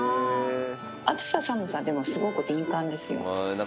暑さ寒さにすごく敏感ですよ。